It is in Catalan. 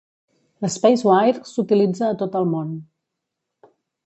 L'SpaceWire s'utilitza a tot el món.